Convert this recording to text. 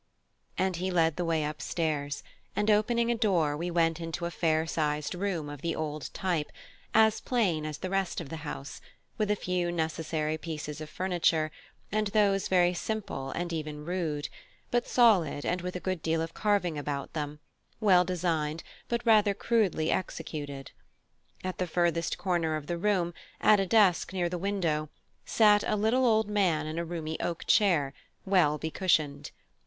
And he led the way upstairs, and opening a door we went into a fair sized room of the old type, as plain as the rest of the house, with a few necessary pieces of furniture, and those very simple and even rude, but solid and with a good deal of carving about them, well designed but rather crudely executed. At the furthest corner of the room, at a desk near the window, sat a little old man in a roomy oak chair, well becushioned.